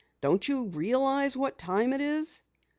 Don't you realize what time it is?"